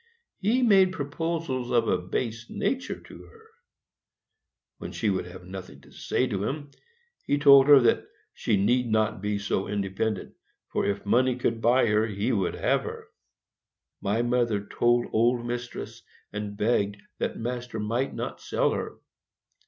He made proposals of a base nature to her. When she would have nothing to say to him, he told her that she need not be so independent, for if money could buy her he would have her. My mother told old mistress, and begged that master might not sell her.